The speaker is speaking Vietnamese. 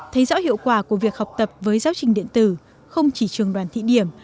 thấy rõ hiệu quả của việc học tập với giáo trình điện tử không chỉ trường đoàn thị điểm